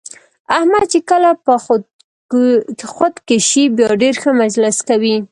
احمد چې کله په خود کې شي بیا ډېر ښه مجلس کوي.